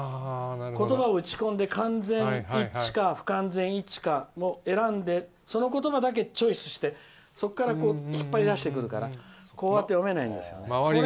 言葉を打ち込んで完全一致か不完全一致か選んでその言葉だけチョイスしてそこから引っ張り出してくるからこうやって読めないんですよね。